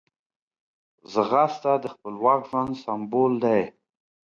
ځغاسته د خپلواک ژوند سمبول دی